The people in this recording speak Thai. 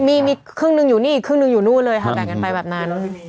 มีมีครึ่งหนึ่งอยู่นี่อีกครึ่งหนึ่งอยู่นู่นเลยค่ะแบ่งกันไปแบบนั้น